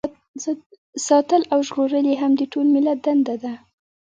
ساتل او ژغورل یې هم د ټول ملت دنده ده.